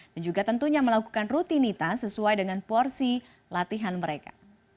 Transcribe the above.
juga tentunya melakukan rutinitas sesuai dengan porsi latihan mereka